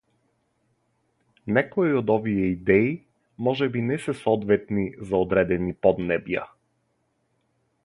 Некои од овие идеи можеби не се соодветни за одредени поднебја.